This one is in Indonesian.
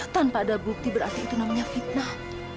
tanpa ada bukti berarti itu namanya fitnah